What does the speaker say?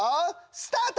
スタート！